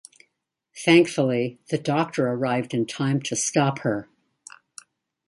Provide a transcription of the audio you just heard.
Thankfully, the Doctor arrived in time to stop her.